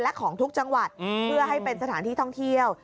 และของทุกจังหวัดเพื่อให้เป็นสถานที่ท่องเที่ยว